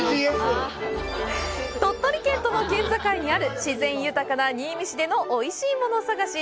鳥取県との県境にある、自然豊かな新見市でのおいしいもの探し。